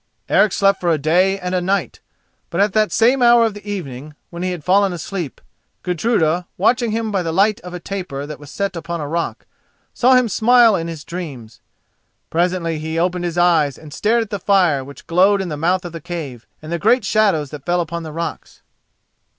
Eric slept for a day and a night. But at that same hour of the evening, when he had fallen asleep, Gudruda, watching him by the light of a taper that was set upon a rock, saw him smile in his dreams. Presently he opened his eyes and stared at the fire which glowed in the mouth of the cave, and the great shadows that fell upon the rocks.